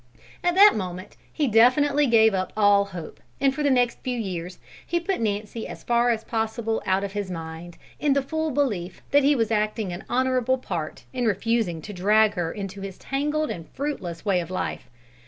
At that moment he definitely gave up all hope, and for the next few years he put Nancy as far as possible out of his mind, in the full belief that he was acting an honourable part in refusing to drag her into his tangled and fruitless way of life.